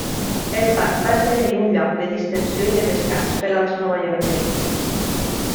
El parc va esdevenir un lloc de distensió i de descans per als novaiorquesos.